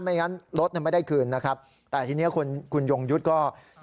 งั้นรถไม่ได้คืนนะครับแต่ทีนี้คุณคุณยงยุทธ์ก็